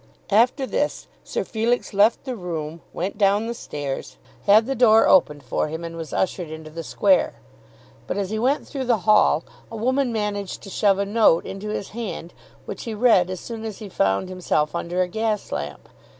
After this Sir Felix left the room, went down the stairs, had the door opened for him, and was ushered into the square. But as he went through the hall a woman managed to shove a note into his hand, which he read as soon as he found himself under a gas lamp.